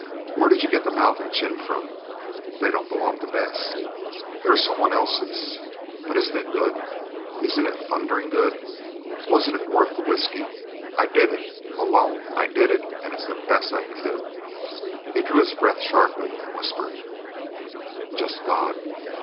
"Where did you get the mouth and chin from? They don't belong to Bess." "They're—some one else's. But isn't it good? Isn't it thundering good? Wasn't it worth the whiskey? I did it. Alone I did it, and it's the best I can do." He drew his breath sharply, and whispered, "Just God!